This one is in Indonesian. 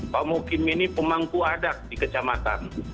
pak mukim ini pemangku adat di kecamatan